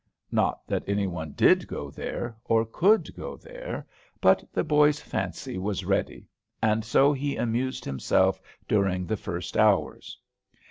Not that any one did go there, or could go there; but the boy's fancy was ready, and so he amused himself during the first hours.